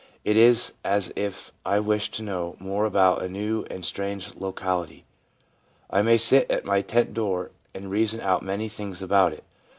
It is as if I wished to know more about a new and strange locality. I may sit at my tent door and reason out many things about it.